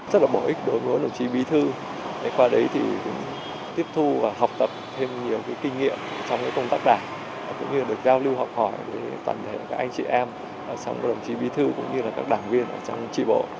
rất là bổ ích đối với đồng chí bí thư qua đấy thì tiếp thu và học tập thêm nhiều kinh nghiệm trong công tác đảng cũng như được giao lưu học hỏi với toàn thể các anh chị em đồng chí bí thư cũng như các đảng viên trong tri bộ